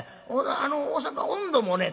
大阪温度もね